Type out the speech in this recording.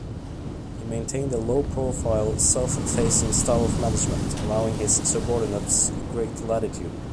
He maintained a low-profile, "self-effacing" style of management, allowing his subordinates great latitude.